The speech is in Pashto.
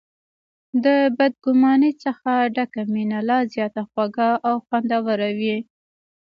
د بد ګمانۍ څخه ډکه مینه لا زیاته خوږه او خوندوره وي.